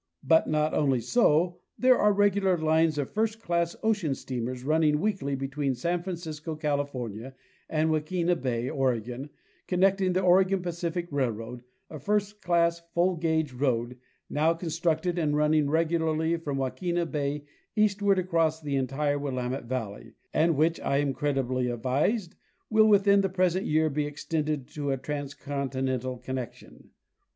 But not only so, there are regular lines of first class ocean steamers running weekly between San Francisco, California, and Yaquina bay, Oregon, connecting with the Oregon Pacific railroad, a first class full gauge road, now constructed and running regularly from Yaquina bay eastward across the entire Willamette valley, and which, I am credibly advised, will within the present year be extended to a transcontinental connection.